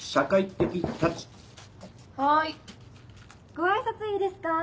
・ご挨拶いいですか？